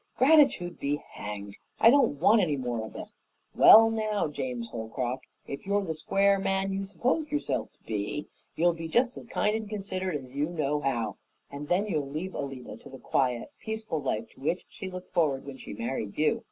Gratitude be hanged! I don't want any more of it. Well, now, James Holcroft, if you're the square man you supposed yourself to be, you'll be just as kind and considerate as you know how, and then you'll leave Alida to the quiet, peaceful life to which she looked forward when she married you.